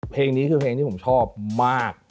เพลงนี้คือเพลงที่ผมชอบมาก